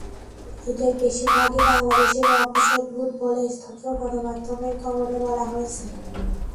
এঁদের বেশির ভাগই বাংলাদেশি বংশোদ্ভূত বলে স্থানীয় গণমাধ্যমের খবরে বলা হয়েছে।